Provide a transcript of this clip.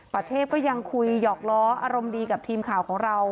ประเทพก็ยังคุยหยอกล้ออารมณ์ดีกับทีมข่าวของเรา